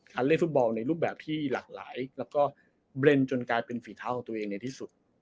เล่นฟุตบอลในรูปแบบที่หลากหลายแล้วก็เบรนด์จนกลายเป็นฝีเท้าของตัวเองในที่สุด